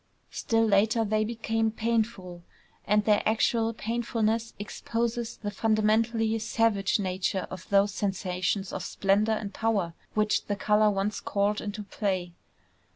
Still later they became painful; and their actual painfulness exposes the fundamentally savage nature of those sensations of splendor and power which the color once called into play.